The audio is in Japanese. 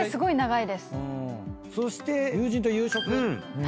そして友人と夕食。